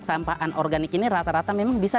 sampah anorganik ini rata rata memang bisa